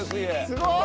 すごい！